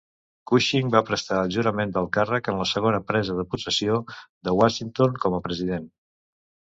Cushing va prestar el jurament del càrrec en la segona presa de possessió de Washington com a president.